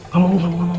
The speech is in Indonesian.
gak mau gak mau gak mau